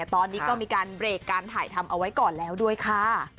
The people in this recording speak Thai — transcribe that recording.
ตอนนี้ก็มีการเบรกการถ่ายทำเอาไว้ก่อนแล้วด้วยค่ะ